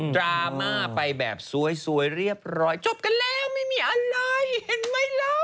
ราม่าไปแบบสวยเรียบร้อยจบกันแล้วไม่มีอะไรเห็นไหมล่ะ